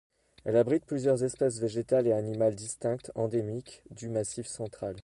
Elle abrite plusieurs espèces végétales et animales distinctes endémiques du massif central.